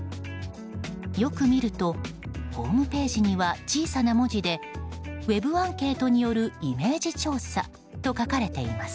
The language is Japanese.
よく見ると、ホームページには小さな文字でウェブアンケートによるイメージ調査と書かれています。